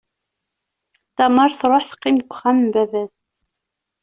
Tamar tṛuḥ, teqqim deg wexxam n baba-s.